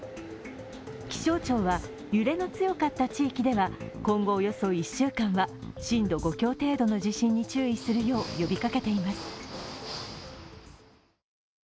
気象庁は揺れの強かった地域では今後およそ１週間は震度５強程度の地震に注意するよう呼びかけています。